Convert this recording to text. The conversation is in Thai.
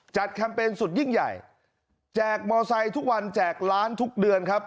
แคมเปญสุดยิ่งใหญ่แจกมอไซค์ทุกวันแจกล้านทุกเดือนครับ